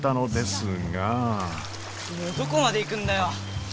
どこまで行くんだよ？